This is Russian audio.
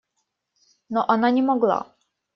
Но она не могла.